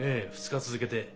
２日続けて。